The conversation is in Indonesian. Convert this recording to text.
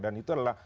dan itu adalah